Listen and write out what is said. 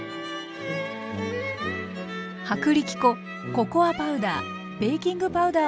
薄力粉ココアパウダーベーキングパウダーもふるい入れます。